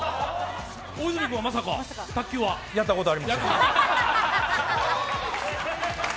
大泉君はまさか、卓球は？やったことありません。